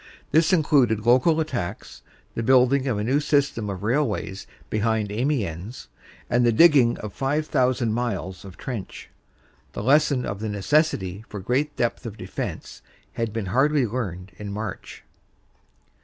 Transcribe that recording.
This included local attacks, the building of a new system of railways behind Amiens, and the digging of five thousand miles of trench. The lesson of the necessity for great depth of defense had been hardly learned in March.